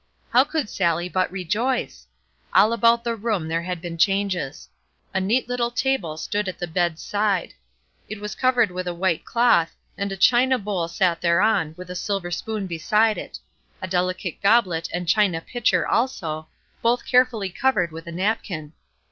How could Sallie but rejoice? All about the room there had been changes. A neat little table stood at the bed's side. It was covered with a white cloth, and a china bowl set thereon with a silver spoon beside it; a delicate goblet and china pitcher also, both carefully covered with a napkin.